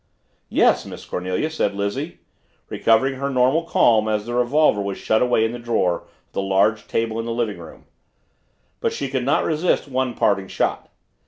"Yes, Miss Cornelia," said Lizzie, recovering her normal calm as the revolver was shut away in the drawer of the large table in the living room. But she could not resist one parting shot.